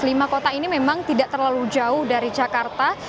lima kota ini memang tidak terlalu jauh dari jakarta